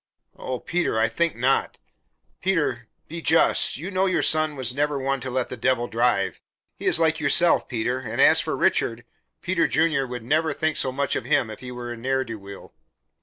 "Oh, Peter, I think not. Peter, be just. You know your son was never one to let the Devil drive; he is like yourself, Peter. And as for Richard, Peter Junior would never think so much of him if he were a ne'er do weel."